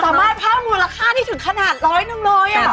สามารถพาวงูลค่าที่ถึงขนาด๑๐๐บาท๑๐๐บาท